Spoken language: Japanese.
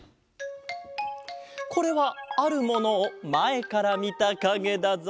これはあるものをまえからみたかげだぞ。